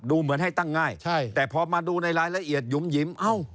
เหมือนให้ตั้งง่ายใช่แต่พอมาดูในรายละเอียดหยุ่มหยิม